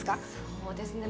そうですね。